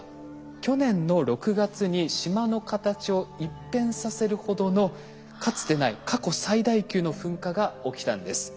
去年の６月に島の形を一変させるほどのかつてない過去最大級の噴火が起きたんです。